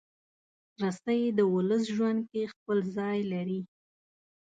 رسۍ د ولس ژوند کې خپل ځای لري.